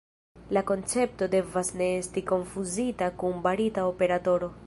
La koncepto devas ne esti konfuzita kun barita operatoro.